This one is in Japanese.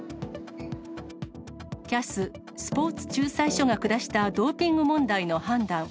ＣＡＳ・スポーツ仲裁所が下したドーピング問題の判断。